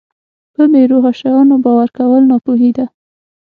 په بې روحه شیانو باور کول ناپوهي ده.